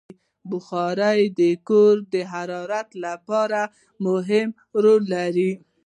بخاري د کور د حرارت لپاره مهم رول لري.